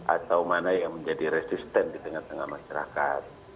atau mana yang menjadi resisten di tengah tengah masyarakat